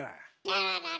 あららら。